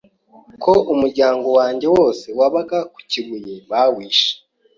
ko umuryango wanjye wose wabaga ku kibuye bawishe